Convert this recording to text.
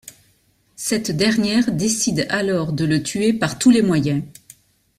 Cette dernière décide alors de le tuer par tous les moyens.